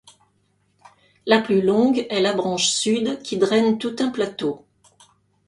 La plus longue est la branche Sud, qui draine tout un plateau.